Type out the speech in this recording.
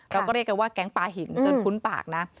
เราก็เรียกกันว่าแก๊งปลาหินจนคุ้นปากนะ